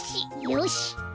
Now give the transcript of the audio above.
よし！